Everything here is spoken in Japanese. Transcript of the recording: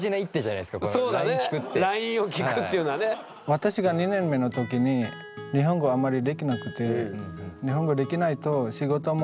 私が２年目の時に日本語あまりできなくて。